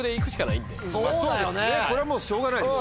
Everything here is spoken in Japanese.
これはしょうがない。